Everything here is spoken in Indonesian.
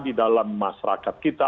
di dalam masyarakat kita